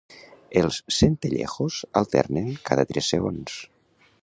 Els centellejos alternen cada tres segons.